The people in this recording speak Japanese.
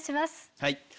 はい。